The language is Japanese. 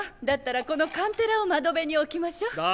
だったらこのカンテラを窓辺に置きましょう。